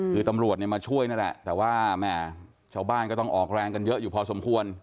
คือตำรวจเนี่ยมาช่วยนั่นแหละแต่ว่าแม่ชาวบ้านก็ต้องออกแรงกันเยอะอยู่พอสมควร